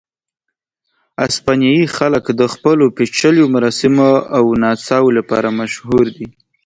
اسپانیایي خلک د خپلو پېچلیو مراسمو او نڅاو لپاره مشهور دي.